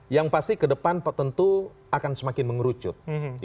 yang pasti kedepan tentu akan semakin mengerucut